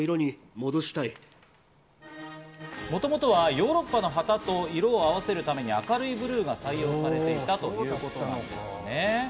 もともとはヨーロッパの旗と色を合わせるために明るいブルーが採用されていたということなんですね。